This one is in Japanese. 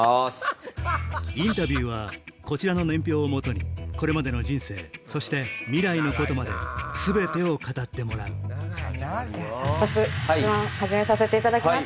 インタビューはこちらの年表を基にこれまでの人生そして未来のことまで全てを語ってもらうでは早速質問始めさせていただきます。